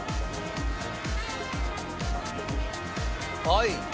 はい。